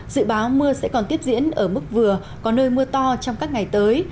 dự báo mưa sẽ còn tiếp diễn ở mức vừa có nơi mưa to trong các ngày tới